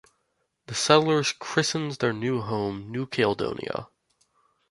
The settlers christened their new home "New Caledonia".